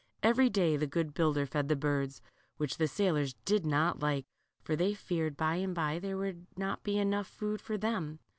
Every day the good builder fed the birds, which the sailors did not like, for they feared by and by there would not be enough food for them.